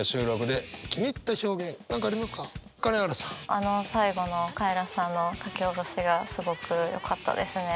あの最後のカエラさんの書き下ろしがすごくよかったですね。